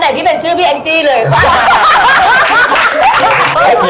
ว่าการเป็นคนรอดคอมมาบที่นี่เนี่ย